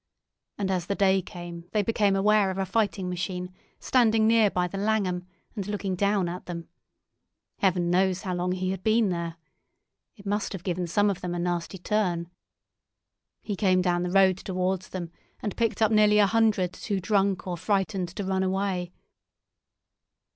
And as the day came they became aware of a fighting machine standing near by the Langham and looking down at them. Heaven knows how long he had been there. It must have given some of them a nasty turn. He came down the road towards them, and picked up nearly a hundred too drunk or frightened to run away."